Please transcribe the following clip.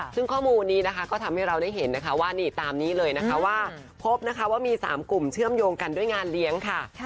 ซึ่งข้อมูลนี้ก็ทำให้เราได้เห็นว่าตามนี้เลยว่าพบว่ามี๓กลุ่มเชื่อมโยงกันด้วยงานเลี้ยง